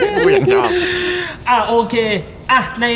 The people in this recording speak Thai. กูอยากทำ